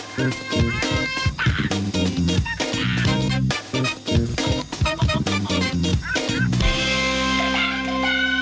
โปรดติดตามตอนต่อไป